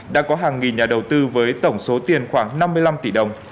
đã có hàng nghìn nhà đầu tư với tổng số tiền khoảng năm mươi năm tỷ đồng